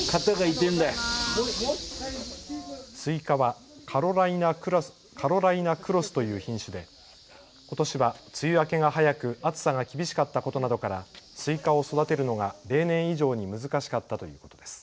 スイカはカロライナクロスという品種でことしは梅雨明けが早く暑さが厳しかったことなどからスイカを育てるのが例年以上に難しかったということです。